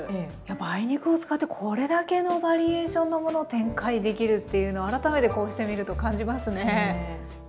梅肉を使ってこれだけのバリエーションのものを展開できるっていうの改めてこうしてみると感じますね。